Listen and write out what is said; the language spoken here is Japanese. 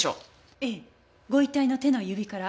ええご遺体の手の指から。